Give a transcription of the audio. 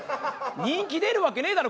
人気出るわけねえだろ